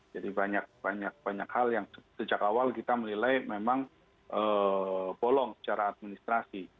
jadi banyak banyak hal yang sejak awal kita melilai memang bolong secara administrasi